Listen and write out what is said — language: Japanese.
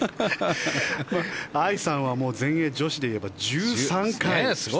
藍さんは全英女子でいえば１３回出場。